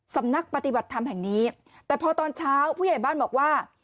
สำนักปฏิบัติธรรมแห่งนี้แต่พอตอนเช้าผู้ใหญ่บ้านบอกว่า